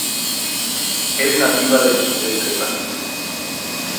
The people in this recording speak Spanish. Es nativa del sudeste de Brasil.